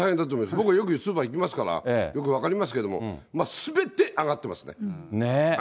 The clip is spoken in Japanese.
僕、よくスーパー行きますからよく分かりますけども、すべて上がってね。